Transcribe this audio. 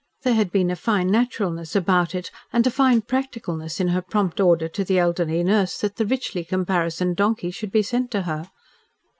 There had been a fine naturalness about it and a fine practicalness in her prompt order to the elderly nurse that the richly caparisoned donkey should be sent to her.